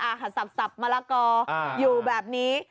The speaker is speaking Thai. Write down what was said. หันสับมะละกออยู่แบบนี้